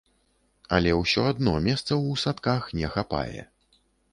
Але ўсё адно месцаў у садках не хапае.